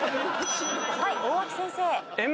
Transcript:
はい大脇先生。